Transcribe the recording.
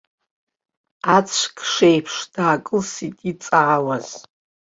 Ацәкшеиԥш даакылсит иҵаауаз.